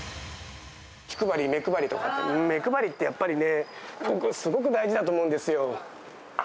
気配り、目配りとか、目配りって、やっぱりね、すごく大事だと思うんですよ。